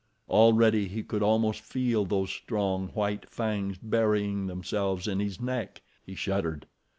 Already he could almost feel those strong, white fangs burying themselves in his neck. He shuddered.